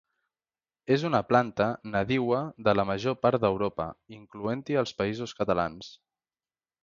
És una planta nadiua de la major part d'Europa, incloent-hi els Països Catalans.